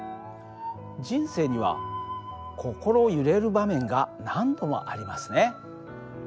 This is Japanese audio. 人生には心揺れる場面が何度もありますね。